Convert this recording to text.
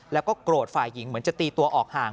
แล้วก็โกรธฝ่ายหญิงเหมือนจะตีตัวออกห่าง